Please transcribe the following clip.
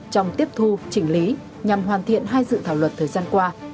trong tiếp thu chỉnh lý nhằm hoàn thiện hai dự thảo luật thời gian qua